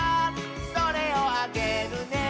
「それをあげるね」